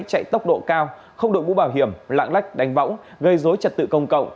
chạy tốc độ cao không đội ngũ bảo hiểm lạng lách đánh bỗng gây dối trật tự công cộng